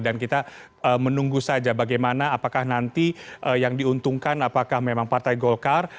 dan kita menunggu saja bagaimana apakah nanti yang diuntungkan apakah memang partai golkar